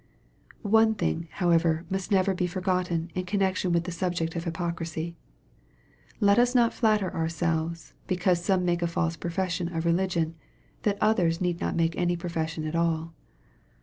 One thing, however, must never be forgotten in con nection with the subject of hypocrisy. Let us not flatter ourselves, because some make a false profession of religion, that others need not make any profession at all.